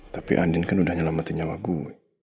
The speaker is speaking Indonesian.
tapi andin kan udah nyelamatin nyawa gue